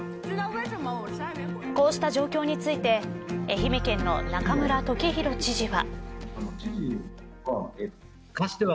こうした状況について愛媛県の中村時広知事は。